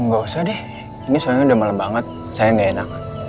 gak usah deh ini soalnya udah malam banget saya nggak enak